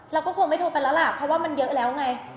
เราก็คงไม่โทรไปแล้วล่ะเพราะว่ามันเยอะแล้วไง